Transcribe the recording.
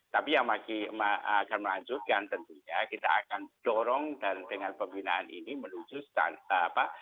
tapi yang akan melanjutkan tentunya kita akan dorong dan dengan pembinaan ini menuju standar apa